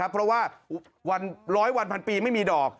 เพราะว่า๑๐๐วัน๑๐๐๐ปีไม่มีดอก